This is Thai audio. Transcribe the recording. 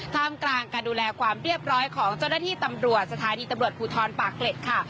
ท่ามกลางการดูแลความเรียบร้อยของเจ้าหน้าที่ตำรวจสถานีตำรวจภูทรปากเกร็ดค่ะ